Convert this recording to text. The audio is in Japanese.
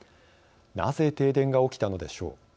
なぜ停電が起きたのでしょう。